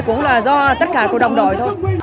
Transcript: cũng là do tất cả của đồng đội thôi